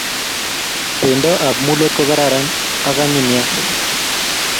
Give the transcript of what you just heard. Pendo ab mulot kokararan ak ayinyin nea